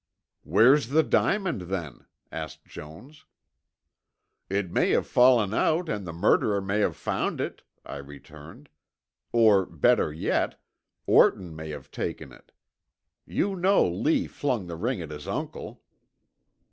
"Where's the diamond then?" asked Jones. "It may have fallen out and the murderer may have found it," I returned. "Or better yet, Orton may have taken it. You know Lee flung the ring at his uncle."